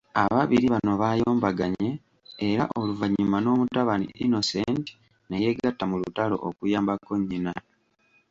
Ababiri bano baayombaganye era oluvannyuma n'omutabani, Innocent, ne yeegatta mu lutalo okuyambako nnyina.